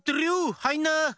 はいんな！